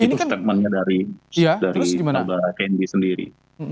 itu statementnya dari negara kendi sendiri